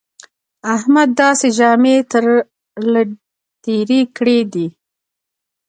احمد داسې ژامې تر له تېرې کړې دي